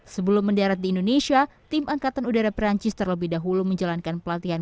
sebelum mendarat di indonesia tim angkatan udara perancis terlebih dahulu menjalankan pelatihan